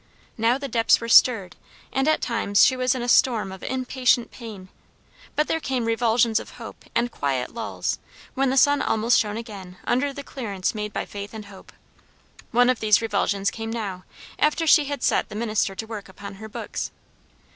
Now the depths were stirred, and at times she was in a storm of impatient pain; but there came revulsions of hope and quiet lulls, when the sun almost shone again under the clearance made by faith and hope. One of these revulsions came now, after she had set the minister to work upon her books.